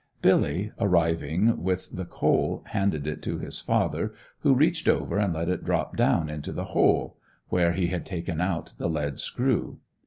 Billy, arriving with the coal, handed it to his father who reached over and let it drop down into the hole where he had taken out the lead screw.